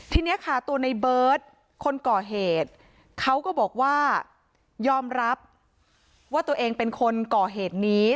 ทีนี้ค่ะตัวในเบิร์ตคนก่อเหตุเขาก็บอกว่ายอมรับว่าตัวเองเป็นคนก่อเหตุนี้